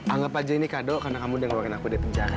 anggap aja ini kado karena kamu udah ngeluarin aku di penjara